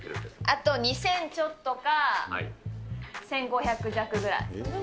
あと二千ちょっとか、１５００弱ぐらい。